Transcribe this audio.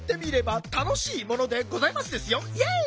「たのしいものでございますですよイエイ」